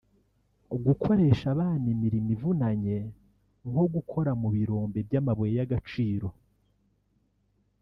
Gukoresha abana imirimo ivunanye nko gukora mu birombe by’amabuye y’agaciro